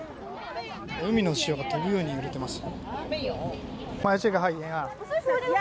海の塩が飛ぶように売れています。